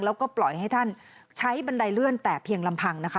แล้วก็ปล่อยให้ท่านใช้บันไดเลื่อนแต่เพียงลำพังนะคะ